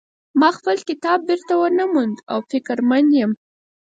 ما خپل کتاب بیرته ونه مونده او فکرمن یم